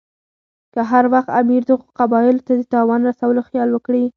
که هر وخت امیر دغو قبایلو ته د تاوان رسولو خیال وکړي.